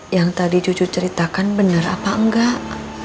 yang tadi cucu ceritakan benar apa enggak